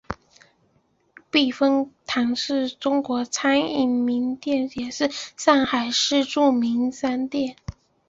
避风塘是中华餐饮名店也是上海市著名商标。